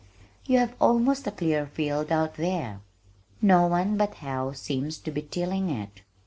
"You have almost a clear field out there no one but Howe seems to be tilling it."